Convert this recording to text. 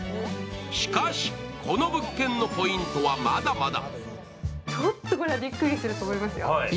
しかし、この物件のポイントはまだまだ。